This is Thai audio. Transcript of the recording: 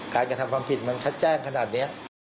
กระทำความผิดมันชัดแจ้งขนาดนี้